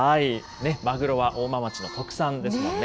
マグロは大間町の特産ですもんね。